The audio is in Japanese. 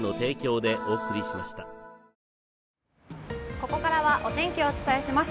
ここからはお天気をお伝えします。